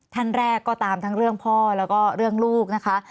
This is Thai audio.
ท่านแรกก็ตามทั้งเรื่องพ่อแล้วก็เรื่องลูกนะคะ